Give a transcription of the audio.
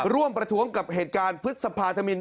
ประท้วงกับเหตุการณ์พฤษภาธมิน